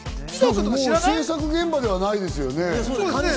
するともう制作現場ではないですよね。